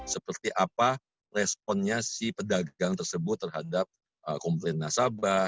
seperti apa responnya si pedagang tersebut terhadap komplain nasabah